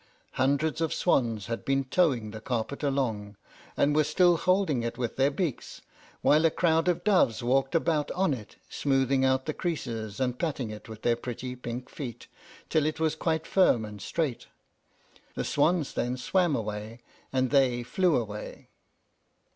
Hundreds of swans had been towing the carpet along, and were still holding it with their beaks, while a crowd of doves walked about on it, smoothing out the creases and patting it with their pretty pink feet till it was quite firm and straight. The swans then swam away, and they flew away.